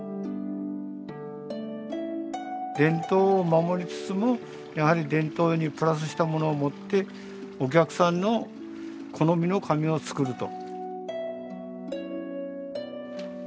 伝統を守りつつもやはり伝統にプラスしたものをもってお客さんの好みの紙を作ると。